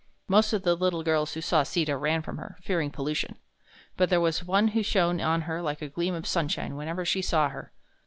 Most of the little girls who saw Sita ran from her, fearing pollution. But there was one who shone on her like a gleam of sunshine whenever she saw her.